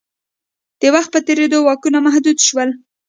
د وخت په تېرېدو واکونه محدود شول.